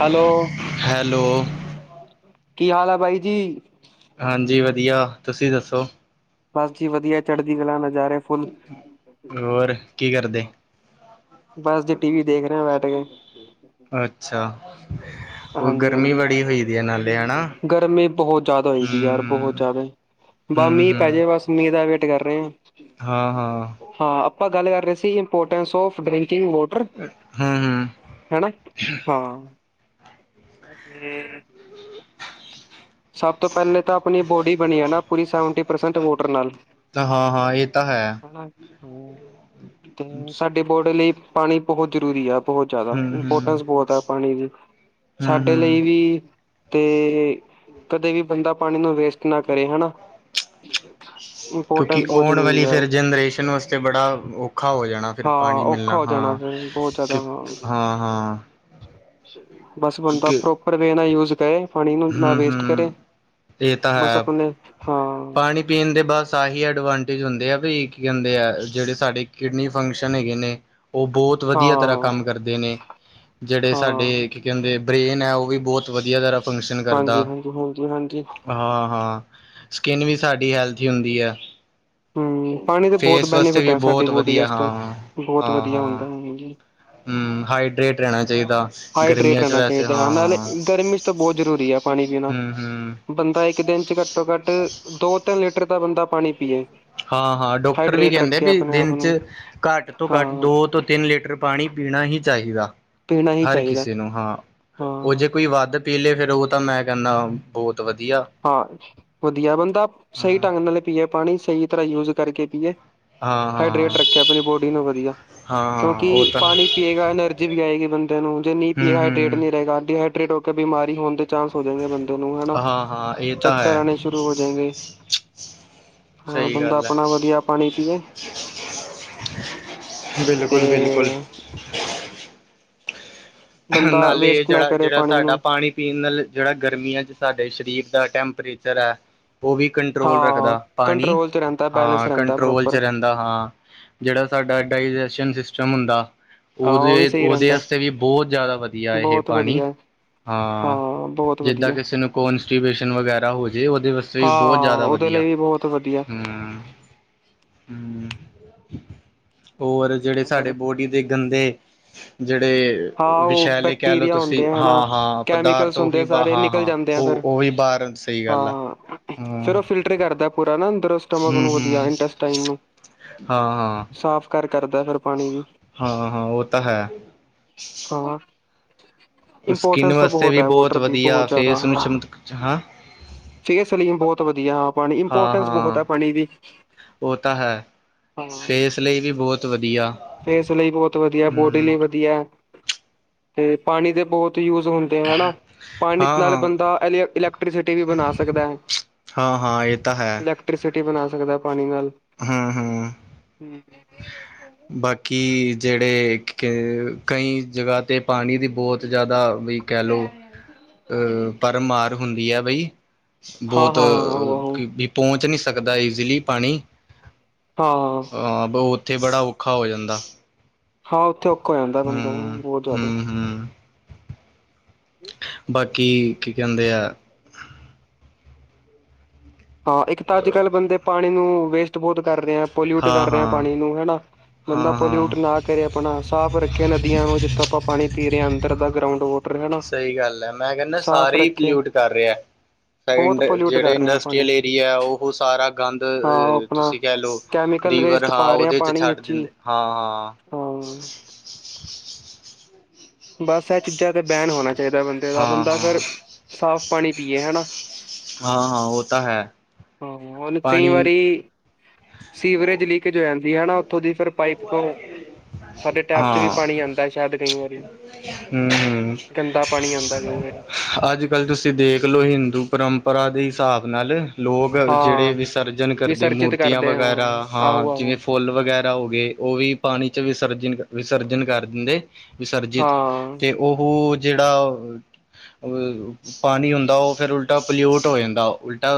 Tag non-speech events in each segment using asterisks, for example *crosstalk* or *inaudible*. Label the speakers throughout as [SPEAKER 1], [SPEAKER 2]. [SPEAKER 1] Hello
[SPEAKER 2] hello
[SPEAKER 1] ਕੀ ਹਾਲ ਆ ਬਾਈ ਜੀ
[SPEAKER 2] ਹਾਂਜੀ ਵਧੀਆ ਤੁਸੀਂ ਦੱਸੋ
[SPEAKER 1] ਬਸ ਜੀ ਵਧੀਆ ਚੜ੍ਹਦੀ ਗਲਾ ਨਾਜ਼ਾਰੇਹਾ ਫੁੱਲ
[SPEAKER 2] ਹੋਰ ਕੀ ਕਰਦੇ
[SPEAKER 1] ਬਸ ਜੇ ਟੀ ਵੀ ਦੇਖ ਰਹੇ ਬੈਠ ਕੇ
[SPEAKER 2] ਅੱਛਾ ਉਹ
[SPEAKER 1] ਹਾਂਜੀ
[SPEAKER 2] ਗਰਮੀ
[SPEAKER 1] ਹਾਂਜੀ
[SPEAKER 2] ਬੜੀ ਹੋਈ ਦੀ ਹੈ ਨਾਲੇ ਹਨਾ
[SPEAKER 1] ਗਰਮੀ ਬਹੁਤ ਜਿਆਦਾ ਹੋਈ ਦੀ ਯਾਰ ਬਹੁਤ
[SPEAKER 2] ਹਮ
[SPEAKER 1] ਜਿਆਦਾ ਬ
[SPEAKER 2] ਹਮ
[SPEAKER 1] ਮੀਂਹ ਪੈ
[SPEAKER 2] ਹਮ
[SPEAKER 1] ਜੇ ਬਸ ਮੀਂਹ ਦਾ ਵੇਟ ਕਰ ਰਹੇ ਆ
[SPEAKER 2] ਹਾਂ ਹਾਂ
[SPEAKER 1] ਹਾਂ ਆਪਾਂ ਗੱਲ ਕਰ ਰਹੇ ਸੀ ਇੰਪੋਰਟੈਂਸ ਫ ਡਰਿੰਕਿੰਗ ਵਾਟਰ
[SPEAKER 2] ਹਮ ਹਮ
[SPEAKER 1] ਹੈ ਨਾ ਹਾਂ ਹਾਂਜੀ
[SPEAKER 2] *unintelligible*
[SPEAKER 1] ਸਭ ਤੋਂ ਪਹਿਲੇ ਤਾਂ ਆਪਣੀ ਬੋਡੀ ਬਣੀ ਹੈ ਨਾ ਪੂਰੀ ਸੈਵਨਟੀ ਪਰਸੈਂਟ ਵੋਟਰ ਨਾਲ
[SPEAKER 2] ਹਾਂ ਹਾਂ ਇਹ ਤਾਂ ਹੈ
[SPEAKER 1] ਤੇ
[SPEAKER 2] ਹਮ
[SPEAKER 1] ਸਾਡੇ ਬੋਡੀ ਲਈ ਪਾਣੀ ਬਹੁਤ ਜ਼ਰੂਰੀ ਆ ਬਹੁਤ ਜ਼ਿਆਦਾ
[SPEAKER 2] ਹਮ
[SPEAKER 1] ਇੰਪੋਰਟੈਂਸ ਬਹੁਤ ਹੈ ਪਾਣੀ ਦੀ
[SPEAKER 2] ਹਮ
[SPEAKER 1] ਸਾਡੇ
[SPEAKER 2] ਹਮ
[SPEAKER 1] ਲਈ ਵੀ ਤੇ ਕਦੇ ਵੀ ਬੰਦਾ ਪਾਣੀ ਨੂੰ ਵੇਸਟ ਘਰੇ ਹੋਨਾ
[SPEAKER 2] ਕਿਉਂਕਿ
[SPEAKER 1] ਇੰਪੋਰਟੈਂਸ ਬਹੁਤ
[SPEAKER 2] ਆਉਣ
[SPEAKER 1] ਜ਼ਰੂਰੀ
[SPEAKER 2] ਵਾਲੀ
[SPEAKER 1] ਹੈ
[SPEAKER 2] ਫਿਰ ਜਨਰੇਸ਼ਨ ਵਸਤੇ ਤੇ ਬੜਾ ਔਖਾ ਹੋ ਜਾਣਾ ਫਿਰ
[SPEAKER 1] ਹਾਂ
[SPEAKER 2] ਪਾਣੀ
[SPEAKER 1] ਔਖਾ
[SPEAKER 2] ਮਿਲਣਾ
[SPEAKER 1] ਹੋ ਜਾਣਾ
[SPEAKER 2] ਹਾਂ
[SPEAKER 1] ਫਿਰ ਬਹੁਤ ਜ਼ਿਆਦਾ
[SPEAKER 2] ਕਿ ਹਾਂ ਹਾਂ
[SPEAKER 1] ਬਸ ਬੰਦਾ
[SPEAKER 2] ਕਿਉਂਕਿ
[SPEAKER 1] ਪ੍ਰੋਪਰ ਵੇ ਨਾ ਯੂਜ ਕਰੇ ਪਾਣੀ ਨੂੰ ਨਾ
[SPEAKER 2] ਹਮ
[SPEAKER 1] ਵੇਸਟ ਕਰੇ
[SPEAKER 2] ਹਮ ਇਹ ਤਾਂ
[SPEAKER 1] ਬਸ
[SPEAKER 2] ਹੈ
[SPEAKER 1] ਆਪਨੇ ਹਾਂ
[SPEAKER 2] ਪਾਣੀ ਪੀਣ ਦੇ ਬਸ ਆਹੀ ਐਡਵਾਂਟੇਜ ਹੁੰਦੇ ਆ ਵੀ ਕੀ ਕਹਿੰਦੇ ਆ ਜਿਹੜੇ ਸਾਡੇ ਕਿਡਨੀ ਫੰਕਸ਼ਨ ਹੈਗੇ ਨੇ ਉਹ ਬਹੁਤ ਵਧੀਆ ਤਰ੍ਹਾਂ
[SPEAKER 1] ਹਾਂ
[SPEAKER 2] ਕੰਮ ਕਰਦੇ ਨੇ ਜਿਹੜੇ ਸਾਡੇ
[SPEAKER 1] ਹਾਂ
[SPEAKER 2] ਕੀ ਕਿਹਦੇ ਬ੍ਰੇਨ ਹੈ ਉਹ ਵੀ ਬਹੁਤ ਵਧੀਆ ਤਰਾ ਫੰਕਸ਼ਨ ਕਰਦਾ
[SPEAKER 1] ਹਾਂਜੀ ਹਾਂਜੀ ਹਾਂਜੀ ਹਾਂਜੀ
[SPEAKER 2] ਹਾਂ ਹਾਂ ਸਕਿੰਨ ਵੀ ਸਾਡੀ ਹੈਲਥੀ ਹੁੰਦੀ ਹੈ
[SPEAKER 1] ਹਮ ਪਾਣੀ ਦੇ ਬਹੁਤ
[SPEAKER 2] ਫੇਸ ਵਾਸਤੇ
[SPEAKER 1] ਬੈਨੀਫਿਟ
[SPEAKER 2] ਵੀ
[SPEAKER 1] ਹੈ ਸਾਡੀ
[SPEAKER 2] ਬਹੁਤ
[SPEAKER 1] ਬੋਡੀ
[SPEAKER 2] ਵਧੀਆ ਹਾਂ
[SPEAKER 1] ਵਾਸਤੇ
[SPEAKER 2] ਹਾਂ
[SPEAKER 1] ਬਹੁਤ
[SPEAKER 2] ਹਾਂ
[SPEAKER 1] ਵਧੀਆ
[SPEAKER 2] ਹਾਂ
[SPEAKER 1] ਹੁੰਦਾ ਹਾਂਜੀ
[SPEAKER 2] ਹਮ ਹਾਈਡਰੇੇਟ ਰਹਿਣਾ ਚਾਹੀਂਦਾ
[SPEAKER 1] ਹਾਈਡਰੇਟ
[SPEAKER 2] ਗਰਮੀਆਂ ਚ
[SPEAKER 1] ਰਹਿਣਾ
[SPEAKER 2] ਵੈਸੇ
[SPEAKER 1] ਚਾਹੀਦਾ
[SPEAKER 2] ਹਾਂ
[SPEAKER 1] ਨਾਲੇ
[SPEAKER 2] ਹਾਂ
[SPEAKER 1] ਗਰਮੀ ਚ ਤਾਂ ਬਹੁਤ ਜ਼ਰੂਰੀ ਹੈ ਪਾਣੀ ਪੀਣਾ
[SPEAKER 2] ਹੰ ਹੰ
[SPEAKER 1] ਬੰਦਾ ਇੱਕ ਦਿਨ ਚ ਘੱਟੋ ਘੱਟ ਦੋ ਤਿੰਨ ਲੀਟਰ ਦਾ ਬੰਦਾ ਪਾਣੀ ਪੀਏ
[SPEAKER 2] ਹਾਂ ਹਾਂ ਡਾਕਟਰ ਵੀ
[SPEAKER 1] ਹਾਈਡਰੇਟ
[SPEAKER 2] ਕਹਿੰਦੇ
[SPEAKER 1] ਰੱਖੇ
[SPEAKER 2] ਵੀ
[SPEAKER 1] ਆਪਣੇ ਆਪ
[SPEAKER 2] ਦਿਨ
[SPEAKER 1] ਨੂੰ
[SPEAKER 2] ਚ ਘੱਟ ਤੋਂ ਘੱਟ
[SPEAKER 1] ਹਾਂ
[SPEAKER 2] ਦੋ ਤੋਂ ਤਿੰਨ ਲੀਟਰ ਪਾਣੀ ਪੀਣਾ ਹੀ ਚਾਹੀਦਾ
[SPEAKER 1] ਪੀਣਾ ਹੀ
[SPEAKER 2] ਹਰ
[SPEAKER 1] ਚਾਹੀਦਾ
[SPEAKER 2] ਕਿਸੇ ਨੂੰ ਹਾਂ ਉਹ
[SPEAKER 1] ਹਾਂ
[SPEAKER 2] ਜੇ ਕੋਈ ਵੱਧ ਪੀਲੇ ਫੇਰ ਉਹ ਤਾਂ ਮੈਂ ਕਹਿੰਦਾ ਬਹੁਤ ਵਧੀਆ
[SPEAKER 1] ਹਾਂ ਵਧੀਆ ਬੰਦਾ ਸਹੀ
[SPEAKER 2] ਹਾਂ
[SPEAKER 1] ਢੰਗ ਨਾਲ ਪੀਏ ਪਾਣੀ ਸਹੀ ਤਰ੍ਹਾਂ ਯੂਜ ਕਰਕੇ ਪੀਏ
[SPEAKER 2] ਹਾਂ ਹਾਂ
[SPEAKER 1] ਹਾਈਡਰੇਟ ਰੱਖਿਆ ਆਪਣੀ ਬੋਡੀ ਨੂੰ ਵਧੀਆ
[SPEAKER 2] ਹਾਂ
[SPEAKER 1] ਕਿਉਂਕਿ
[SPEAKER 2] ਹਾਂ ਉਹ ਤਾਂ
[SPEAKER 1] ਪਾਣੀ ਪੀਏਗਾ ਐਨਰਜੀ ਵੀ ਆਏਗੀ ਬੰਦੇ ਨੂੰ ਜੇ ਨੀਂ
[SPEAKER 2] ਹੂੰ
[SPEAKER 1] ਪੀਏ ਹਾਈਡਰੇਟ
[SPEAKER 2] ਹੂੰ।
[SPEAKER 1] ਨਹੀਂ ਰਹੇਗਾ ਡੀਹਾਈਡਰੇਟ ਹੋ ਕੇ ਬਿਮਾਰੀ ਹੋਣ ਦੇ ਚਾਂਸ ਹੋ ਜਾਏਗੇ ਬੰਦੇ ਨੂੰ ਹਨਾ
[SPEAKER 2] ਹਾਂ ਹਾਂ ਇਹ ਤਾਂ
[SPEAKER 1] ਚੱਕਰ
[SPEAKER 2] ਹੈ
[SPEAKER 1] ਆਣੇ ਸ਼ੁਰੂ ਹੋ ਜਾਏਗੇ ਹਾਂ
[SPEAKER 2] ਸਹੀ
[SPEAKER 1] ਬੰਦਾ
[SPEAKER 2] ਗੱਲ ਹੈ
[SPEAKER 1] ਆਪਣਾ ਵਧੀਆ ਪਾਣੀ ਪੀਏ
[SPEAKER 2] ਬਿਲਕੁਲ ਬਿਲਕੁਲ
[SPEAKER 1] ਤੇ ਬੰਦਾ
[SPEAKER 2] ਨਾਲੇ
[SPEAKER 1] ਵੇਸਟ ਨਾ
[SPEAKER 2] ਜਿਹੜਾ
[SPEAKER 1] ਕਰੇ
[SPEAKER 2] ਜਿਹੜਾ
[SPEAKER 1] ਪਾਣੀ
[SPEAKER 2] ਸਾਡਾ
[SPEAKER 1] ਨੂੰ
[SPEAKER 2] ਪਾਣੀ ਪੀਣ ਨਾਲ ਜਿਹੜਾ ਗਰਮੀਆਂ ਚ ਸਾਡੇ ਸਰੀਰ ਦਾ ਟੈਂਪਰੇਚਰ ਹੈ ਉਹ ਵੀ ਕੰਟਰੋਲ
[SPEAKER 1] ਹਾਂ
[SPEAKER 2] ਰੱਖਦਾ ਪਾਣੀ
[SPEAKER 1] ਕੰਟਰੋਲ ਚ ਰਹਿੰਦਾ ਬੈਲੈਂਸ
[SPEAKER 2] ਹਾਂ
[SPEAKER 1] ਰਹਿੰਦਾ
[SPEAKER 2] ਕੰਟਰੋਲ ਚ'
[SPEAKER 1] ਪ੍ਰੋਪਰ
[SPEAKER 2] ਰਹਿੰਦਾ ਹਾਂ ਜਿਹੜਾ ਸਾਡਾ ਡਾਇਜੈਸ਼ਨ ਸਿਸਟਮ ਹੁੰਦਾ
[SPEAKER 1] ਆਹ ਉਹ ਵੀ
[SPEAKER 2] ਉਹਦੇ
[SPEAKER 1] ਸਹੀ
[SPEAKER 2] ਉਹਦੇ
[SPEAKER 1] ਰਹਿੰਦਾ
[SPEAKER 2] ਵਾਸਤੇ ਵੀ ਬਹੁਤ ਜ਼ਿਆਦਾ ਵਧੀਆ ਇਹ
[SPEAKER 1] ਬਹੁਤ
[SPEAKER 2] ਪਾਣੀ
[SPEAKER 1] ਵਧੀਆ
[SPEAKER 2] ਹਾਂ
[SPEAKER 1] ਬਹੁਤ
[SPEAKER 2] ਜਿੱਦਾਂ
[SPEAKER 1] ਵਧੀਆ
[SPEAKER 2] ਕਿਸੇ ਨੂੰ ਕੋ ਕੋਨਸਟੀਪੇਸ਼ਨ ਵਗੈਰਾ ਹੋ ਜੇ ਉਹਦੇ ਸਹੀ ਬਹੁਤ
[SPEAKER 1] ਹਾਂ
[SPEAKER 2] ਜ਼ਿਆਦਾ
[SPEAKER 1] ਉਹਦੇ
[SPEAKER 2] ਵਧੀਆ
[SPEAKER 1] ਲਈ ਵੀ ਬਹੁਤ ਵਧੀਆ
[SPEAKER 2] ਹਮ ਹੰ ਹੋਰ ਜਿਹੜੇ ਸਾਡੇ
[SPEAKER 1] ਹੋਰ
[SPEAKER 2] ਬੋਡੀ ਦੇ ਗੰਦੇ ਜਿਹੜੇ
[SPEAKER 1] ਹਾਂ ਉਹ
[SPEAKER 2] ਵਿਸ਼ੈਲੇ ਕਹਿ ਲਓ
[SPEAKER 1] ਬੈਕਟੀਰੀਆ
[SPEAKER 2] ਤੁਸੀਂ
[SPEAKER 1] ਹੁੰਦੇ ਆ ਹਨਾ
[SPEAKER 2] ਹਾਂ ਹਾਂ ਪਦਾਰਥ
[SPEAKER 1] ਕੈਮੀਕਲਸ ਹੁੰਦੇ
[SPEAKER 2] ਉਹੀਂ
[SPEAKER 1] ਆ ਸਾਰੇ
[SPEAKER 2] ਹਾਂ
[SPEAKER 1] ਨਿਕਲ
[SPEAKER 2] ਹਾਂ
[SPEAKER 1] ਜਾਂਦੇ ਆ
[SPEAKER 2] ਉਹ
[SPEAKER 1] ਫਿਰ
[SPEAKER 2] ਉਹ ਵੀ ਬਾਰਨ ਸਹੀ ਗੱਲ ਆ
[SPEAKER 1] ਹਾਂ ਫਿਰ
[SPEAKER 2] ਹਮ
[SPEAKER 1] ਉਹ ਫਿਲਟਰ ਕਰਦਾ ਪੂਰਾ ਨਾ ਅੰਦਰ ਸਟਮਕ ਨੂੰ ਵਧੀਆ
[SPEAKER 2] ਹਮ
[SPEAKER 1] ਇਨਟੇਸਟਾਇਨ ਨੂੰ
[SPEAKER 2] ਹਾਂ ਹਾਂ
[SPEAKER 1] ਸਾਫ਼ ਘਰ ਕਰਦਾ ਫਿਰ ਪਾਣੀ ਵੀ
[SPEAKER 2] ਹਾਂ ਹਾਂ ਉਹ ਤਾਂ ਹੈ
[SPEAKER 1] ਹੋਰ
[SPEAKER 2] ਸਕਿੰਨ
[SPEAKER 1] ਇੰਪੋਰਟੈਂਸ ਤਾਂ
[SPEAKER 2] ਵਾਸਤੇ
[SPEAKER 1] ਬਹੁਤ
[SPEAKER 2] ਵੀ
[SPEAKER 1] ਹੈ ਵੋਟਰ ਦੀ
[SPEAKER 2] ਵਧੀਆ
[SPEAKER 1] ਬਹੁਤ ਜ਼ਿਆਦਾ
[SPEAKER 2] ਫੇਸ ਨੂੰ ਚਮਕ ਹਾਂ
[SPEAKER 1] ਫੇ ਸਲੀਮ ਬਹੁਤ ਵਧੀਆ ਪਾਣੀ ਇੰਪੋਰਟੈਂਸ ਬਹੁਤ ਹੈ ਪਾਣੀ ਦੀ
[SPEAKER 2] ਹੋਤਾ ਹੈ ਫੇਸ ਲਈ ਵੀ ਬਹੁਤ ਵਧੀਆ
[SPEAKER 1] ਫੇਸ ਲਈ ਬਹੁਤ ਵਧੀਆ ਬੋਡੀ
[SPEAKER 2] ਹਮ
[SPEAKER 1] ਲਈ ਵਧੀਆ ਤੇ ਪਾਣੀ ਦੇ ਬਹੁਤ ਯੂਜ ਹੋਣ ਤੇ ਹਨਾ ਪਾਣੀ
[SPEAKER 2] ਹਾਂ
[SPEAKER 1] ਨਾਲ
[SPEAKER 2] ਹਾਂ
[SPEAKER 1] ਬੰਦਾਂ ਇਲੈਕਟ੍ਰੀਸਿਟੀ ਵੀ ਬਣਾ ਸਕਦਾ ਹੈ
[SPEAKER 2] ਹਾਂ ਹਾਂ ਇਹ ਤਾਂ ਹੈ
[SPEAKER 1] ਵਾਟਰ ਟੀ ਬਣਾ ਸਕਦਾ ਪਾਣੀ ਨਾਲ
[SPEAKER 2] ਹੂੰ-ਹੂੰ ਬਾਕੀ ਜਿਹੜੇ ਕ ਕਈ ਜਗ੍ਹਾ 'ਤੇ ਪਾਣੀ ਦੀ ਬਹੁਤ ਜ਼ਿਆਦਾ
[SPEAKER 1] ਆਉਣ ਲਾਂ
[SPEAKER 2] ਅਹ ਪਰ ਮਾਰ ਹੁੰਦੀ ਹੈ ਬਈ
[SPEAKER 1] ਹਾਂ- ਹਾਂ
[SPEAKER 2] ਬਹੁਤ
[SPEAKER 1] ਹਾਂ ਆਹੋ- ਆਹੋ
[SPEAKER 2] ਪਹੁੰਚ ਨਹੀਂ ਸਕਦਾ ਈਜ਼ੀਲੀ ਪਾਣੀ
[SPEAKER 1] ਹਾਂ
[SPEAKER 2] ਉੱਥੇ ਬੜਾ ਔਖਾ ਹੋ ਜਾਂਦਾ
[SPEAKER 1] ਹਾਂ ਉੱਥੇ ਔਖਾ ਹੋ। ਜਾਂਦਾ ਬੰਦਾ
[SPEAKER 2] ਹੂੰ
[SPEAKER 1] ਬਹੁਤ ਜ਼ਿਆਦਾ
[SPEAKER 2] ਹੂੰ-ਹੂੰ ਬਾਕੀ ਕੀ ਕਹਿੰਦੇ ਆ।
[SPEAKER 1] ਹਾਂ ਇੱਕ ਤਾਂ ਅੱਜ ਕੱਲ੍ਹ ਬੰਦੇ ਪਾਣੀ ਨੂੰ ਵੇਸਟ ਬਹੁਤ ਕਰ ਰਹੇ ਆ ਪੋਲਿਊਟ ਕਰ ਰਿਹਾ
[SPEAKER 2] ਹਾਂ-ਹਾਂ
[SPEAKER 1] ਪਾਣੀ ਨੂੰ ਹਨਾ ਬੰਦਾ
[SPEAKER 2] ਹਾਂ-ਹਾਂ
[SPEAKER 1] ਪੋਲਿਊਟ ਨਾ ਕਰੇ ਆਪਣਾ ਸਾਫ਼ ਰੱਖਿਆ ਨਦੀਆਂ ਨੂੰ ਜਿੱਥੋਂ ਆਪਾਂ ਪਾਣੀ ਪੀ ਰਹੇ ਹਾਂ ਅੰਦਰ ਦਾ ਗਰਾਊਂਡ ਵ
[SPEAKER 2] ਸਹੀ ਗੱਲ ਹੈ ਮੈਂ ਕਹਿੰਦਾ ਸਾਰੇ ਹੀ
[SPEAKER 1] ਰੱਖੇ।
[SPEAKER 2] ਪਲਿਊਟ ਕਰ ਰਿਹਾ
[SPEAKER 1] ਬਹੁਤ ਪੋਲਿਊਟ
[SPEAKER 2] ਜਿਹੜੇ
[SPEAKER 1] ਕਰ ਰਹੇ ਆ
[SPEAKER 2] ਇੰਡਸਟ
[SPEAKER 1] ਪਾਣੀ
[SPEAKER 2] ਲ
[SPEAKER 1] ਨੂੰ
[SPEAKER 2] ਏਰੀਆ ਉਹ ਸਾਰਾ ਗੰਦ
[SPEAKER 1] ਹਾਂ ਉਹ ਆਪਣਾ
[SPEAKER 2] ਤੁਸੀਂ ਕਹਿ ਲਓ
[SPEAKER 1] ਕੈਮੀਕਲ
[SPEAKER 2] ਲੀਵਰ
[SPEAKER 1] ਵੇਸਟ
[SPEAKER 2] ਹਾਂ
[SPEAKER 1] ਪਾ ਰਹੇ ਆ
[SPEAKER 2] ਉਹਦੇ '
[SPEAKER 1] ਪਾਣੀ
[SPEAKER 2] ਛੱਡ
[SPEAKER 1] ਵਿੱਚ ਹੀ
[SPEAKER 2] ਦਿੰਦੇ ਹਾਂ ਹਾਂ
[SPEAKER 1] ਹਾਂ ਬਸ ਇਹ ਚੀਜ਼ਾਂ ਤੇ ਬੈਨ ਹੋਣਾ ਚਾਹੀਦਾ ਬੰਦੇ ਦਾ
[SPEAKER 2] ਹਾਂ ਹਾਂ
[SPEAKER 1] ਬੰਦਾ
[SPEAKER 2] ਹਾਂ
[SPEAKER 1] ਫਿਰ ਸਾਫ ਪਾਣੀ ਪੀਏ ਹੈਾ
[SPEAKER 2] ਹਾਂ ਹਾਂ ਉਹ ਤਾਂ ਹੈ
[SPEAKER 1] ਹਾਂ, ਹੁਣ ਕਈ
[SPEAKER 2] ਪਾਣੀ
[SPEAKER 1] ਵਾਰੀ ਸੀਵਰੇਜ ਲੀਕ ਜਾਂਦੀ ਹੈ ਉੱਥੋਂ ਦੀ ਫਿਰ ਪਾਈਪ ਤੋਂ ਸਾਡੇ ਟੈਪ ਚ ਵੀ ਪਾਣੀ ਆਉਂਦਾ ਸ਼ਾਇਦ ਕਈ ਵਾਰੀ
[SPEAKER 2] ਹੰ- ਹੰ
[SPEAKER 1] ਗੰਦਾ ਪਾਣੀ ਆਉਂਦਾ ਕਈ ਵਾਰੀ
[SPEAKER 2] ਅੱਜ ਕੱਲ ਤੁਸੀਂ ਦੇਖਲੋ ਹਿੰਦੂ ਪਰੰਪਰਾਂ ਦੇ ਹਿਸਾਬ ਨਾਲ ਲੋਕ ਜਿਹੜੇ
[SPEAKER 1] ਹਾਂ
[SPEAKER 2] ਵਿਸਰਜਨ ਕਰਦੇ
[SPEAKER 1] ਵਿਸਰਜਿਤ
[SPEAKER 2] ਮੂਰਤੀਆਂ
[SPEAKER 1] ਕਰਦੇ
[SPEAKER 2] ਵਗੈਰਾ
[SPEAKER 1] ਹਾਂ
[SPEAKER 2] ਹਾਂ
[SPEAKER 1] ਆਹੋ ਆਹੋ
[SPEAKER 2] ਜਿਵੇਂ ਫੁੱਲ ਵਗੈਰਾ ਹੋ ਗਏ ਉਹ ਵੀ ਪਾਣੀ 'ਚ ਵਿਸਰਜਨ ਵਿਸਰਜਨ ਕਰ ਦਿੰਦੇ। ਵਿਸਰਜਿਤ
[SPEAKER 1] ਹਾਂ
[SPEAKER 2] ਤੇ ਉਹ ਜਿਹੜਾ ਪਾਣੀ ਹੁੰਦਾ ਉਹ ਫਿਰ ਉਲਟਾ ਪਲਿਊਟ ਹੋ ਜਾਂਦਾ ਉਲਟਾ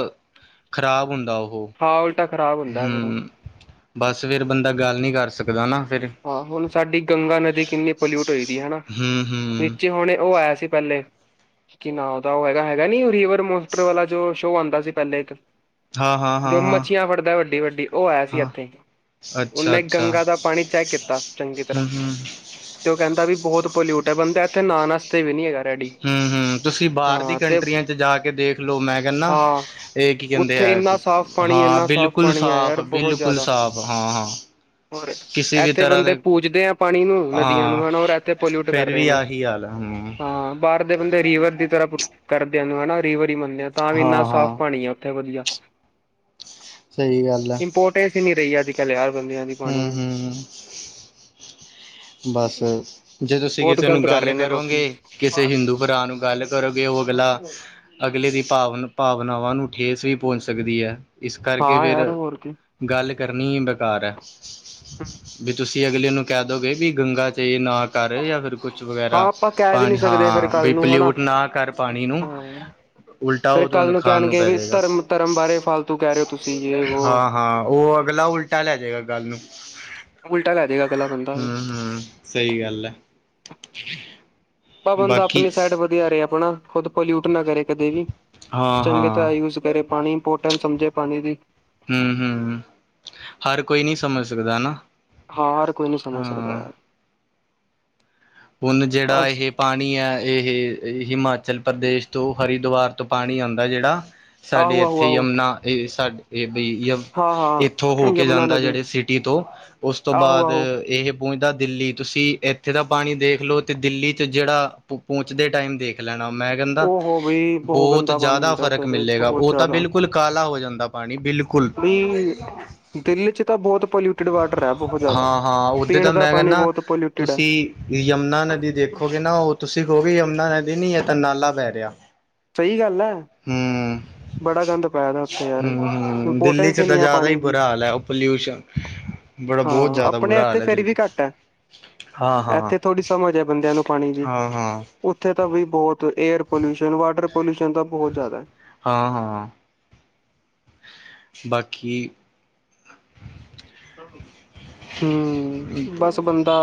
[SPEAKER 2] ਖ਼ਰਾਬ ਹੁੰਦਾ ਉਹ
[SPEAKER 1] ਹਾਂ ਉਲਟਾ ਖਰਾਬ ਹੁੰਦਾ ਹੈ । ਫਰ
[SPEAKER 2] ਹੂੰ ਬਸ ਫਿਰ ਬੰਦਾ ਗੱਲ ਨਹੀ ਕਰ ਸਕਦਾ ਨਾ ਫਿਰ।
[SPEAKER 1] ਹਾਂ ਹੁਣ ਸਾਡੀ ਗੰਗਾ ਨਦੀ ਕਿੰਨੀ ਪੋਲਿਊਟ ਹੋਈ ਦੀ ਹੈ ਨਾ,
[SPEAKER 2] ਹੂੰ ਹੂੰ
[SPEAKER 1] ਨੀਚੇ ਹੁਣੇ ਉਹ ਆਇਆ ਸੀ ਪਹਿਲੇ ਕਿ ਨਾ ਉਹਦਾ ਹੈਗਾ, ਹੈਗਾ ਨੀ ਰੀਵਰ ਮੋਸਟਰ ਵਾਲਾ ਜੋ ਸ਼ੋਅ ਆਉਂਦਾ ਸੀ ਪਹਿਲੇ ਇੱਕ
[SPEAKER 2] ਹਾਂ ਹਾਂ
[SPEAKER 1] ਜ
[SPEAKER 2] ਹਾਂ ਹਾਂ
[SPEAKER 1] ਮੱਛੀਆਂ ਫੜਦਾ ਵੱਡੀ- ਵੱਡੀ ਉਹ ਆਇਆ ਸੀ
[SPEAKER 2] ਹਾਂ
[SPEAKER 1] ਇੱਥੇ,
[SPEAKER 2] ਅੱਛਾ
[SPEAKER 1] ਉਹਨੇ
[SPEAKER 2] ਅੱਛਾ
[SPEAKER 1] ਗੰਗਾ ਦਾ ਪਾਣੀ ਚੈੱਕ ਕੀਤਾ ਚੰਗੀ ਤਰ੍ਹਾਂ
[SPEAKER 2] ਹੂੰ ਹੂੰ
[SPEAKER 1] ਤੇ ਉਹ ਕਹਿੰਦਾ ਵੀ ਬਹੁਤ ਪੋਲਿਊਟ ਹੈ ਬੰਦਾ ਇੱਥੇ ਨਾਨ ਵਾਸਤੇ ਵੀ ਨੀ ਹੈਗਾ ਰੈਡੀ
[SPEAKER 2] ਹਮ -ਹਮ ਤੁਸੀਂ ਬਾਹਰ ਦੀ
[SPEAKER 1] ਹਾਂ ਤੇ
[SPEAKER 2] ਕੰਟਰੀਆਂ ਚ ਜਾ ਕੇ ਦੇਖ ਲਓ ਮੈਂ ਕਹਿੰਦਾ
[SPEAKER 1] ਹਾਂ
[SPEAKER 2] ਇਹ ਕੀ ਕਹਿੰਦੇ
[SPEAKER 1] ਉੱਥੇ
[SPEAKER 2] ਹੈ
[SPEAKER 1] ਇੰਨਾ
[SPEAKER 2] ਕਿ
[SPEAKER 1] ਸਾਫ਼ ਪਾਣੀ
[SPEAKER 2] ਹਾਂ
[SPEAKER 1] ਇੰਨਾ ਸਾਫ਼
[SPEAKER 2] ਬਿਲਕੁਲ
[SPEAKER 1] ਪਾਣੀ ਆ
[SPEAKER 2] ਸਾਫ਼,
[SPEAKER 1] ਯਾਰ ਬਹੁਤ
[SPEAKER 2] ਬਿਲਕੁਲ
[SPEAKER 1] ਜ਼ਿਆਦਾ
[SPEAKER 2] ਸਾਫ਼ ਹਾਂ- ਹਾਂ
[SPEAKER 1] ਹੋਰ
[SPEAKER 2] ਕਿਸੇ ਵੀ
[SPEAKER 1] ਇੱਥੇ
[SPEAKER 2] ਤਰ੍ਹਾਂ
[SPEAKER 1] ਬੰਦੇ
[SPEAKER 2] ਦੇ
[SPEAKER 1] ਪੂਜਦੇ ਆ ਪਾਣੀ ਨੂੰ, ਨਦੀਆਂ
[SPEAKER 2] ਹਾਂ
[SPEAKER 1] ਨੂੰ, ਹਨਾ ਔਰ ਇੱਥੇ ਪੋਲਿਊਟ ਕਰ
[SPEAKER 2] ਫੇਰ
[SPEAKER 1] ਰਹੇ
[SPEAKER 2] ਵੀ
[SPEAKER 1] ਨੇ
[SPEAKER 2] ਆਹੀ ਹਾਲ ਹੈ ਹੂੰ
[SPEAKER 1] ਹਾਂ ਬਾਹਰ ਦੇ ਬੰਦੇ ਰੀਵਰ ਦੀ ਤਰ੍ਹਾਂ ਕਰਦਿਆਂ ਨੂੰ ਹਨਾ ਰੀਵਰ ਹੀ ਮੰਨਦੇ ਹ ਤਾਂ ਵੀ ਇੰਨਾ
[SPEAKER 2] ਹਾਂ
[SPEAKER 1] ਸਾਫ਼
[SPEAKER 2] ਹਾਂ
[SPEAKER 1] ਪਾਣੀ ਆ ਉੱਥੇ ਵਧੀਆ,
[SPEAKER 2] ਸਹੀ ਗੱਲ ਹੈ
[SPEAKER 1] ਇੰਪੋਟ ਵੈਸੇ ਨੀ ਰਹੀ ਅੱਜ ਕੱਲ੍ਹ ਯ ਹਰ ਬੰਦਿਆਂ ਦੀ ਪਾਣੀ
[SPEAKER 2] ਹੂੰ
[SPEAKER 1] ਨੂੰ
[SPEAKER 2] ਹੂੰ ਬਸ ਜੇ ਤੁਸੀਂ
[SPEAKER 1] ਬਹੁਤ
[SPEAKER 2] ਕਿਸੇ ਨੂੰ
[SPEAKER 1] ਗ਼ਲਤ ਕਰ
[SPEAKER 2] ਗੱਲ
[SPEAKER 1] ਰਹੇ ਨੇ ਲੋਕੀ
[SPEAKER 2] ਕਰੋਗੇ, ਕਿਸੇ ਹਿੰਦੂ ਭਰਾ ਨੂੰ ਗੱਲ ਕਰੋਗੇ, ਉਹ ਅਗਲਾ ਅਗਲੇ ਦੀ ਭਾਵਨਾ ਭਾਵਨਾਵਾਂ ਨੂੰ ਠੇਸ ਵੀ ਪਹੁੰਚ ਸਕਦੀ ਹੈ, ਇਸ ਕਰਕੇ
[SPEAKER 1] ਹਾਂ
[SPEAKER 2] ਫਿਰ
[SPEAKER 1] ਯਾਰ ਹੋਰ ਕੀ
[SPEAKER 2] ਗੱਲ ਕਰਨੀ ਬੇਕਾਰ ਹੈ, ਵੀ ਤੁਸੀਂ ਅਗਲੇ ਨੂੰ ਕਹਿ ਦੋਗੇ ਵੀ ਗੰਗਾ ਤੇ ਨਾ ਕਰ ਜਾਂ ਫਿਰ ਕੁਛ
[SPEAKER 1] ਹਾਂ
[SPEAKER 2] ਵਗੈਰਾ
[SPEAKER 1] ਆਪਾਂ ਕਹਿ ਵੀ ਨੀ
[SPEAKER 2] ਪਾਣੀ
[SPEAKER 1] ਸਕਦੇ ਫੇਰ
[SPEAKER 2] ਹਾਂ
[SPEAKER 1] ਕੱਲ
[SPEAKER 2] ਬਈ
[SPEAKER 1] ਨੂੰ ਹਨਾ
[SPEAKER 2] ਪਲਿਊਟ ਨਾ ਕਰ ਪਾਣੀ ਨੂੰ।
[SPEAKER 1] ਹਾਂ
[SPEAKER 2] ਉਲਟਾ
[SPEAKER 1] ਫੇਰ
[SPEAKER 2] ਉਹ
[SPEAKER 1] ਕੱਲ
[SPEAKER 2] ਤੁਹਾਨੂੰ ਖਾਣ ਨੂੰ
[SPEAKER 1] ਕਹਿਣਗੇ
[SPEAKER 2] ਪੈ
[SPEAKER 1] ਵੀ
[SPEAKER 2] ਜਾਵੇਗਾ,
[SPEAKER 1] ਧਰਮ ਧਰਮ ਬਾਰੇ ਫਾਲਤੂ ਕਹਿ ਰਹੇ ਹੋ ਤੁਸੀਂ ਯੇ ਵੋ
[SPEAKER 2] ਹਾਂ ਹਾਂ ਉਹ ਅਗਲਾ ਉਲਟਾ ਲੈ ਜਾਏਗਾ ਗੱਲ ਨੂੰ
[SPEAKER 1] ਉਲਟਾ ਲੈ ਜਾਏਗਾ ਅਗਲਾ ਬੰਦਾ ਫਿਰ।
[SPEAKER 2] ਹਮ- ਹਮ ਸਹੀ ਗੱਲ ਹੈ।
[SPEAKER 1] ਭਵਨ ਦਾ
[SPEAKER 2] ਬਾਕੀ
[SPEAKER 1] ਆਪਣੀ ਸਾਈਡ ਵਧੀਆ ਰਹਾ ਆਪਣਾ ਖੁਦ ਪੋਲਿਊਟ ਨਾ ਕਰੇ, ਕਦੇ ਵੀ
[SPEAKER 2] ਹਾਂ
[SPEAKER 1] ਚੰਗੇ
[SPEAKER 2] ਹਾਂ
[SPEAKER 1] ਤਾਂ ਰੇ ਪਾਣੀ ਇੰਪੋਰਟੈਂਟ ਸਮਝੇ ਪਾਣੀ ਦੀ
[SPEAKER 2] ਹਮ -ਹਮ ਹਰ ਕੋਈ ਨਹੀ ਸਮਝ ਸਕਦਾ ਹਨਾ
[SPEAKER 1] ਹਾਂ ਯਾਰ ਕੋਈ ਨੀ ਸਮਝ ਸਕਦਾ ਯਾਰ
[SPEAKER 2] ਹੁਣ ਜਿਹੜਾ
[SPEAKER 1] ਬਸ
[SPEAKER 2] ਇਹ ਪਾਣੀ ਹੈ ਇਹ ਹਿਮਾਚਲ ਪ੍ਰਦੇਸ਼ ਤੋਂ ਹਰਿਦੁਵਰ ਤੋਂ ਪਾਣੀ ਆਉਂਦਾ ਜਿਹੜਾ ਸਾਡੇ
[SPEAKER 1] ਆਹੋ ਆਹੋ
[SPEAKER 2] ਇੱਥੇ
[SPEAKER 1] ਆਹੋ
[SPEAKER 2] ਯਮੁਨਾ ਸਾਡੇ ਇਹ ਬਈ ਯ
[SPEAKER 1] ਹਾਂ
[SPEAKER 2] ਇੱਥੋਂ ਹੋ
[SPEAKER 1] ਹਾਂ
[SPEAKER 2] ਕੇ
[SPEAKER 1] ਯਮੁਨਾ
[SPEAKER 2] ਜਾਂਦਾ
[SPEAKER 1] ਨਦੀ
[SPEAKER 2] ਜਿਹੜੇ ਸਿਟੀ ਤੋਂ ਉਸ ਤੋਂ
[SPEAKER 1] ਆਹੋ
[SPEAKER 2] ਬਾਅਦ
[SPEAKER 1] ਆਹੋ
[SPEAKER 2] ਇਹ ਪਹੁੰਚਦਾ ਦਿੱਲੀ ਤੁਸੀਂ ਇੱਥੇ ਦਾ ਪਾਣੀ ਦੇਖ ਲਓ ਤੇ ਦਿੱਲੀ ਚ ਜਿਹੜਾ ਪਹੁੰਚਦੇ ਟਾਈਮ ਦੇਖ ਖ ਲੈਣਾ ਮੈਂ ਕਹਿੰਦਾ
[SPEAKER 1] ਉਹ ਬਈ
[SPEAKER 2] ਬਹੁਤ
[SPEAKER 1] ਗੰਦਾ ਪਾਣੀ
[SPEAKER 2] ਜ਼ਿਆਦਾ
[SPEAKER 1] ਹੁੰਦਾ
[SPEAKER 2] ਫ਼ਰਕ
[SPEAKER 1] ਉੱਥੇ ਤੇ
[SPEAKER 2] ਮਿਲੇਗਾ
[SPEAKER 1] ਬਹੁਤ
[SPEAKER 2] ਉਹ ਤਾਂ
[SPEAKER 1] ਜ਼ਿਆਦਾ
[SPEAKER 2] ਬਿਲਕੁਲ ਕਾਲਾ ਹੋ ਜਾਂਦਾ ਪਾਣੀ ਬਿਲਕੁਲ
[SPEAKER 1] ਬਈ ਦਿੱਲੀ ਚ ਤਾਂ ਬਹੁਤ ਪੋਲਿਊਟਿਡ ਵਾਟਰ ਹੈ ਬਹੁਤ ਜ਼ਿਆਦਾ
[SPEAKER 2] ਹਾਂ -ਹਾਂ ਉੱਦੇ
[SPEAKER 1] ਪੀਣ
[SPEAKER 2] ਤਾਂ
[SPEAKER 1] ਦਾ
[SPEAKER 2] ਮੈਂ
[SPEAKER 1] ਪਾਣੀ
[SPEAKER 2] ਕਹਿੰਦਾ,
[SPEAKER 1] ਬਹੁਤ ਪੋਲਿਊਟਿਡ ਹੈ
[SPEAKER 2] ਤੁਸੀਂ ਯਮੁਨਾ ਨਦੀ ਦੇਖੋ ਦੇਖੋਗੇ ਨਾ ਉਹ ਤੁਸੀਂ ਕਹੋਗੇ ਯਮਨਾ ਨਦੀ ਨੀ, ਇਹ ਤਾਂ ਨਾਲਾ ਬਹਿ ਰਿਹਾ
[SPEAKER 1] ਸਹੀ ਗੱਲ ਹੈ
[SPEAKER 2] ਹੂੰ
[SPEAKER 1] ਬੜਾ ਗੰਦ ਪੈਦਾ ਉੱਥੇ ਯਾਰ,
[SPEAKER 2] ਹੂੰ ਹੂੰ ਦਿੱਲੀ
[SPEAKER 1] ਇੰਪੋਰਟੈਂਸ
[SPEAKER 2] 'ਚ ਤਾਂ
[SPEAKER 1] ਹੀਨੀ ਆ
[SPEAKER 2] ਜ਼ਿਆਦਾ ਹੀ
[SPEAKER 1] ਪਾਣੀ ਦੀ
[SPEAKER 2] ਬੁਰਾ ਹਾਲ ਹੈ ਉਹ ਪੋਲਿਊਸ਼ਨ ਬੜਾ ਬਹੁਤ
[SPEAKER 1] ਹਾਂ
[SPEAKER 2] ਜ਼ਿਆਦਾ
[SPEAKER 1] ਆਪਣੇ
[SPEAKER 2] ਬੁਰਾ
[SPEAKER 1] ਇੱਥੇ
[SPEAKER 2] ਹਾਲ ਹੈ
[SPEAKER 1] ਫਿਰ
[SPEAKER 2] ਦਿੱਲੀ
[SPEAKER 1] ਵੀ ਘੱਟ ਹੈ
[SPEAKER 2] ਹਾਂ ਹਾਂ
[SPEAKER 1] ਇੱਥੇ ਥੋੜ੍ਹੀ ਸਮਝ ਹੈ। ਬੰਦਿਆਂ ਨੂੰ ਪਾਣੀ ਦੀ
[SPEAKER 2] ਹਾਂ ਹਾਂ
[SPEAKER 1] ਉੱਥੇ ਤਾਂ ਵੀ ਬਹੁਤ ਏਅਰ ਪੋਲਿਊਸ਼ਨ ਵਾਟਰ ਪੋਲਿਊਸ਼ਨ ਤਾਂ ਬਹੁਤ ਜ਼ਿਆਦਾ
[SPEAKER 2] ਹਾਂ ਹਾਂ ਬਾਕੀ
[SPEAKER 1] ਹਮ ਬਸ ਬੰਦਾ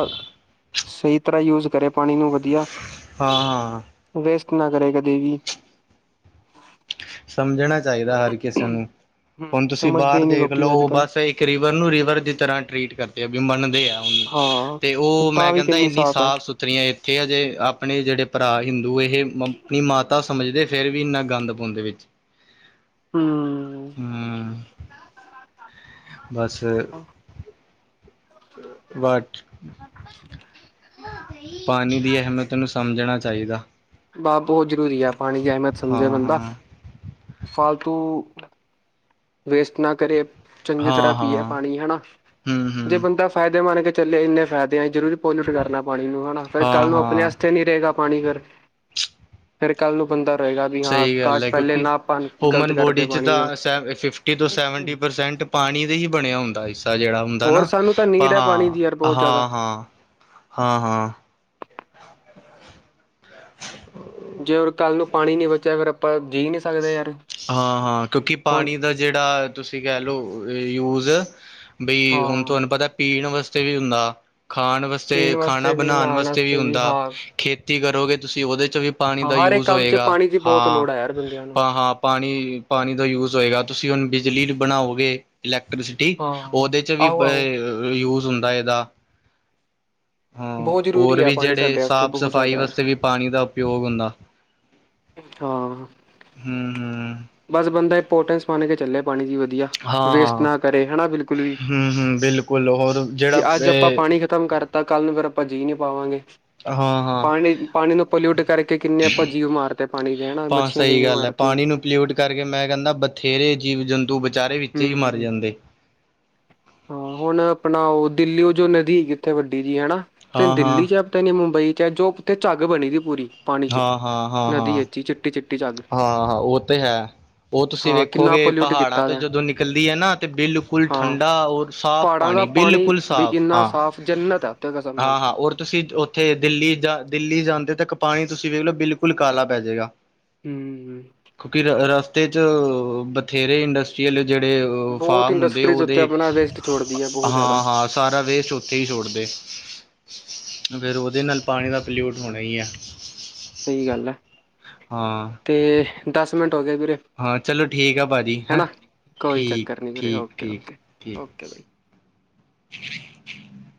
[SPEAKER 1] ਸਹੀ ਤਰ੍ਹਾਂ ਯੂਜ ਕਰੇ ਪਾਣੀ ਨੂੰ ਵਧੀਆ
[SPEAKER 2] ਹਾਂ ਹਾਂ
[SPEAKER 1] ਵੇਸਟ ਨਾ ਕਰੇਗਾ ਦੇਵੀ
[SPEAKER 2] ਸਮਝਣਾ ਚਾਹੀਦਾ ਹਰ ਕਿਸੇ ਨੂੰ
[SPEAKER 1] ਹੂੰ,
[SPEAKER 2] ਹੁਣ ਤੁਸੀਂ
[SPEAKER 1] ਸਮਝਦੇ
[SPEAKER 2] ਬਾਹਰ
[SPEAKER 1] ਹੀ ਨਹੀਂ
[SPEAKER 2] ਦੇਖ
[SPEAKER 1] ਲੋਕੀ ਅੱਜ
[SPEAKER 2] ਲਓ
[SPEAKER 1] ਕੱਲ
[SPEAKER 2] ਬਸ ਇੱਕ ਰ ਰਿਵਰ ਨੂੰ ਰਿਵਰ ਦੀ ਤਰ੍ਹਾਂ ਟਰੀਟ ਕਰਦੇ ਆ ਵੀ ਮੰਨਦੇ ਆ ਤੇ
[SPEAKER 1] ਹਾਂ
[SPEAKER 2] ਉਹ ਮੈਂ
[SPEAKER 1] ਤਾਂ ਵੀ
[SPEAKER 2] ਕਹਿੰਦਾ
[SPEAKER 1] ਕਿੰਨੀ
[SPEAKER 2] ਇੰਨੀ
[SPEAKER 1] ਹੈ
[SPEAKER 2] ਸਾਫ਼ ਸੁਥ ਖਤਰੀਆਂ ਇੱਥੇ ਆ ਜੇ ਆਪਣੇ ਜਿਹੜੇ ਭਰਾ ਹਿੰਦੂ ਇਹ ਆਪਣੀ ਮਾਤਾ ਸਮਝਦੇ ਫਿਰ ਵੀ ਇੰਨਾ ਗੰਦ ਪਾਉਂਦੇ ਵਿੱਚ
[SPEAKER 1] ਹਮ
[SPEAKER 2] ਹਮ ਬਸ ਪਾਣੀ ਦੀ ਅਹਿਮਤ ਤੈਨੂੰ ਸਮਝਣਾ ਚਾਹੀਦਾ
[SPEAKER 1] ਬਸ ਬਹੁਤ ਜ਼ਰੂਰੀ ਆ ਪਾਣੀ ਦੀ ਅਹਿਮੀਅਤ
[SPEAKER 2] ਹਾਂ
[SPEAKER 1] ਸਮਝੇ ਬੰਦਾ
[SPEAKER 2] ਹਾਂ
[SPEAKER 1] ਫਾਲਤੂ ਵੇਸਟ ਨਾ ਕਰੇ ਚੰਗੀ ਤਰ੍ਹਾਂ
[SPEAKER 2] ਹਾਂ
[SPEAKER 1] ਪੀਏ
[SPEAKER 2] ਹਾਂ
[SPEAKER 1] ਪਾਣੀ ਹੈਾ
[SPEAKER 2] ਹਮ
[SPEAKER 1] ਜੇ
[SPEAKER 2] ਹਮ
[SPEAKER 1] ਬੰਦਾ ਫਾਇਦੇ ਮੰਨ ਕੇ ਚੱਲੇ ਇੰਨੇ ਫਾਇਦੇ ਆ ਜ਼ਰੂੂਰ ਪੋਲਿਊਟ ਕਰਨਾ ਪਾਣੀ ਨੂੰ ਹਨਾ ਫ਼ਿਰ
[SPEAKER 2] ਹਾਂ
[SPEAKER 1] ਕੱਲ੍ਹ ਨੂੰ ਆਪਣੇ
[SPEAKER 2] ਹਾਂ
[SPEAKER 1] ਵਸਤੇ ਨ ਨਹੀਂ ਰਹੇਗਾ ਪਾਣੀ ਫਰ ਫਿਰ ਕੱਲ੍ਹ ਨੂੰ ਬੰਦਾ ਰਹੇਗਾ ਵੀ ਹਾਂ
[SPEAKER 2] ਸਹੀ ਗੱਲ
[SPEAKER 1] ਕਾਸ਼
[SPEAKER 2] ਹੈ
[SPEAKER 1] ਪਹਿਲੇ
[SPEAKER 2] ਕਿਉਂਕਿ
[SPEAKER 1] ਨਾ ਪਾਣ ਗਲਤ
[SPEAKER 2] ਹਿਊਮਨ
[SPEAKER 1] ਕਰਦੇ
[SPEAKER 2] ਬੋਡੀ 'ਚ
[SPEAKER 1] ਪਾਣੀ
[SPEAKER 2] ਤਾਂ ਸੈ ਫਿਫਥ ਸੈਵਟੀ ਪਰਸੈਂਟ ਪਾਣੀ ਦੇ ਹੀ ਬਣਿਆ ਹੁੰਦਾਦਾ ਜਿਹੜਾ ਹੁੰ
[SPEAKER 1] ਹੋਰ
[SPEAKER 2] ਨਾ
[SPEAKER 1] ਸਾਨੂੰ ਤਾਂ
[SPEAKER 2] ਹਾਂ
[SPEAKER 1] ਨੀਡ ਹੈ ਪਾਣੀ ਦੀ ਯਾਰ ਬਹੁਤ ਜ਼ਿਆਦਾ
[SPEAKER 2] ਹਾਂ ਹਾਂ ਹਾਂ ਹਾਂ
[SPEAKER 1] ਜੇ ਹਣ ਕੱਲ੍ਹ ਨੂੰ ਪਾਣੀ ਨੀ ਬਚਿਆ ਅਗਰ ਆਪਾਂ ਜੀਅ ਨਹੀਂ ਸਕਦੇ ਆ
[SPEAKER 2] ਹਾਂ ਹਾਂ ਕਿਉਂਕਿ ਪਾਣੀ ਦਾ ਜਿਹੜਾ ਤੁਸੀਂ ਕਹਿ ਲਓ ਯੂਜ ਬਈ ਹੁਣ
[SPEAKER 1] ਹਾਂ
[SPEAKER 2] ਤੁਹਾਨੂੰ ਪਤਾ ਪੀਣ ਵਾਸਤੇ ਵੀ ਹੁੰਦਾ ਖਾਣ ਵਾਸਤੇ ਤੇ
[SPEAKER 1] ਪੀਣ
[SPEAKER 2] ਖਾਣਾ
[SPEAKER 1] ਵਾਸਤੇ ਵੀ
[SPEAKER 2] ਬਣਾਉਣ
[SPEAKER 1] ਨਹਾਣ
[SPEAKER 2] ਵਾਸਤੇ ਵੀ ਹੁੰਦਾ
[SPEAKER 1] ਹਾਂ
[SPEAKER 2] ਖੇਤੀ ਕਰੋਗੇ ਤੁਸੀਂ ਉਹਦੇ ਚ ਵੀ ਪਾਣੀ
[SPEAKER 1] ਹਾਂ
[SPEAKER 2] ਦਾ
[SPEAKER 1] ਹਰ ਇੱਕ
[SPEAKER 2] ਯੂਜ
[SPEAKER 1] ਕੰਮ 'ਚ
[SPEAKER 2] ਹੋਏਗਾ
[SPEAKER 1] ਪਾਣੀ ਦੀ ਬਹੁਤ
[SPEAKER 2] ਹਾਂ
[SPEAKER 1] ਲੋੜ ਹੈ ਯਾਰ ਬੰਦਿਆਂ ਨੂੰ
[SPEAKER 2] ਹਾਂ ਪਾਣੀ ਪਾਣੀ ਦਾ ਯੂਜ ਹੋਏਗਾ ਤੁਸੀਂ ਹੁਣ ਬਿਜਲੀ ਬਣਾਓਗੇ ਇਲੈਕਟ੍ਰੀਸਿਟੀ
[SPEAKER 1] ਹਾਂ
[SPEAKER 2] ਉਹਦੇ ਚ ਵੀ
[SPEAKER 1] ਆਹੋ ਆਹੋ
[SPEAKER 2] ਯੂਜ ਹੁੰਦਾ ਇਹਦਾ ਹਾਂ
[SPEAKER 1] ਬਹੁਤ
[SPEAKER 2] ਹੋਰ
[SPEAKER 1] ਜ਼ਰੂਰੀ ਹੈ
[SPEAKER 2] ਵੀ
[SPEAKER 1] ਪਾਣੀ
[SPEAKER 2] ਜਿਹੜੇ
[SPEAKER 1] ਸਾਡੇ ਵਾਸਤੇ
[SPEAKER 2] ਸਾਫ਼
[SPEAKER 1] ਬਹੁਤ
[SPEAKER 2] ਸਫ਼ਾਈ
[SPEAKER 1] ਜ਼ਿਆਦਾ ਯਾਰ
[SPEAKER 2] ਵਾਸਤੇ ਵੀ ਪਾਣੀ ਦਾ ਉਪੋਗ ਹੁੰਦਾ
[SPEAKER 1] ਹਾਂ
[SPEAKER 2] ਹਮ ਹਮ
[SPEAKER 1] ਬਸ ਬੰਦਾ ਇੰਪੋਰਟੈਂਸ ਪਾ ਕੇ ਚੱਲਿਆ ਪਾਣੀ ਦੀ ਵ
[SPEAKER 2] ਹਾਂ
[SPEAKER 1] ਵੇਸਟ
[SPEAKER 2] ਹਾਂ
[SPEAKER 1] ਨਾ ਕਰੇ ਹਨਾ ਬਿਲਕੁਲ ਵੀ
[SPEAKER 2] ਹਮ ਹਮ ਬਿਲਕੁਲ ਹੋਰ
[SPEAKER 1] ਜੇ
[SPEAKER 2] ਜਿਹੜਾ
[SPEAKER 1] ਅੱਜ ਆਪਾਂ ਪਾਣੀ ਖ ਖ਼ਤਮ ਕਰਤਾ ਕੱਲ ਨੂੰ ਫੇਰ ਆਪਾਂ ਜੀਅ ਨਹੀਂ ਪਾਵਾਂਗੇ
[SPEAKER 2] ਹਾਂ ਹਾਂ
[SPEAKER 1] ਪਾਣੀ ਪਾਣੀ ਨੂੰ ਪੋਲਿਊਟ ਕਰਕੇ ਕਿੰਨੇ ਆਪਾਂ ਜੀਵ ਮਾਰਤੇ ਪਾਣੀ ਦੇ ਹਨਾ
[SPEAKER 2] ਹਾਂ
[SPEAKER 1] ਮੱਛੀਆਂ
[SPEAKER 2] ਸਹੀ
[SPEAKER 1] ਕਿੰਨੀਆਂ
[SPEAKER 2] ਗੱਲ ਹੈ
[SPEAKER 1] ਮਾਰਤੀਆਂ
[SPEAKER 2] ਪਾਣੀ ਨੂੰ ਪਲਿਊਟ ਕਰਕੇ ਮੈਂ ਕਹਿੰਦਾ ਬਥੇਰੇ ਜੀਵ ਜੰਤੂ ਵਿਚਾਰੇ ਵਿੱਚ ਹੀ ਮਰ
[SPEAKER 1] ਹੂੰ
[SPEAKER 2] ਜਾਂਦੇ
[SPEAKER 1] ਹਾਂ ਹੁਣ ਆਪਣਾ ਉਹ ਦਿੱਲੀਓ ਜੋ ਨਦੀਕ ਇੱਥੇ ਵੱਡੀ ਜੀ ਹੈਾ ਤੇੈ
[SPEAKER 2] ਹਾਂ ਹਾਂ
[SPEAKER 1] ਦਿੱਲੀ ਚ ਤੈ ਮੁੰਬਈ ਚ ਜੋ ਉੱਥੇ ਝੱਗ ਬਣੀ ਸੀ ਪੂਰੀ ਪਾਣੀ 'ਚ
[SPEAKER 2] ਹਾਂ ਹਾਂ ਹਾਂ
[SPEAKER 1] ਨਦੀ
[SPEAKER 2] ਹਾਂ
[SPEAKER 1] ਵਿੱਚ ਹੀ ਚਿੱਟੀ ਚਿੱਟੀ 'ਚੱਗ
[SPEAKER 2] ਹਾਂ ਹਾਂ ਉਹ ਤੇ ਹੈ ਉਹ ਤੁਸੀਂ
[SPEAKER 1] ਕਿੰਨਾ
[SPEAKER 2] ਵੇਖੋਗੇ
[SPEAKER 1] ਪੋਲਿਊਟ
[SPEAKER 2] ਪਹਾੜਾਂ
[SPEAKER 1] ਕੀਤਾ
[SPEAKER 2] ਤੇ
[SPEAKER 1] ਦਾ
[SPEAKER 2] ਜਦੋਂ ਨਿਕਲਦੀ ਹੈ ਨਾ ਤੇ ਬਿਲਕੁਲ
[SPEAKER 1] ਹਾਂ
[SPEAKER 2] ਠੰਡਾ ਰ ਸਾਫ਼
[SPEAKER 1] ਪਹਾੜਾਂ ਦਾ
[SPEAKER 2] ਪਾਣੀ ਬਿਲਕੁਲ
[SPEAKER 1] ਵੀ
[SPEAKER 2] ਸਾਫ਼
[SPEAKER 1] ਇੰਨਾ
[SPEAKER 2] ਹਾਂ
[SPEAKER 1] ਸਾਫ਼ ਜੰਨਤ ਹੈ ਉੱਥੇ ਕਸਮ ਨਾਲ
[SPEAKER 2] ਹਾਂ ਹਾਂ ਰ ਤੁਸੀਂ ਉੱਥੇ ਦਿੱਲੀ ਜਾ ਦਿੱਲੀ ਜਾਂਦੇ ਤਾਂ ਪਾਣੀ ਤੁਸੀਂ ਵੇਖ ਲਓ ਬਿਲਕੁਲ ਕਾਲਾ ਪੈ ਜਾੇਗਾ
[SPEAKER 1] ਹਮ
[SPEAKER 2] ਕਿਉਂਕਿ ਰ ਰਸਤੇ ਚ ਬਥੇਰੇ ਇੰਡਸਟ ਜਿਹੜੇ
[SPEAKER 1] ਬਹੁਤ
[SPEAKER 2] ਫਾਰਮ ਹੁੰਦੇ
[SPEAKER 1] ਇੰਡਸਟਰੀਜ਼ ਉੱਤੇ
[SPEAKER 2] ਉਹਦੇ
[SPEAKER 1] ਆਪਣਾ ਵੇਸਟ ਛੋੜਦੀ ਹੈ ਬਹੁਤ ਜ਼ਿਆਦਾ
[SPEAKER 2] ਹਾਂ। ਸਾਰਾ ਵੇਸਟ ਉੱਥੇ ਹੀ ਛੋੜਦੇ ਫਿਰ ਉਹਦੇ ਨਾਲ ਪਾਣੀ ਦਾ ਪੋਲਿਊਟ ਹੋਣਾ ਹੀ ਐ।
[SPEAKER 1] ਸਈ ਗੱਲ ਆ।
[SPEAKER 2] ਹਾਂ,
[SPEAKER 1] ਅਤੇ ਦਸ ਮਿੰਟ ਹੋ ਗਏ ਵੀਰੇ।
[SPEAKER 2] ਹਾਂ ਚਲੋ ਠੀਕ ਆ ਭਾਜੀ ਹੈਂ
[SPEAKER 1] ਹਨਾ ਕੋਈ
[SPEAKER 2] ਠੀਕ
[SPEAKER 1] ਚੱਕਰ ਨੀ ਵੀਰੇ
[SPEAKER 2] ਠੀਕ
[SPEAKER 1] ਓਕੇ
[SPEAKER 2] ਠੀਕ
[SPEAKER 1] ਓਕੇ
[SPEAKER 2] ਠੀਕ
[SPEAKER 1] ਓਕੇ ਬਾਈ।
[SPEAKER 2] *unintelligible*